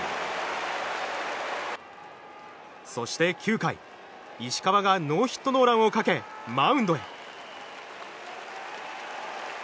そして、９回石川がノーヒットノーランをかけマウンドへ。